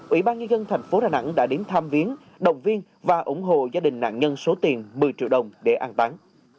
ủy ban nhân dân thành phố đà nẵng đã đến tham viến động viên và ủng hộ gia đình nạn nhân số tiền một mươi triệu đồng để an tán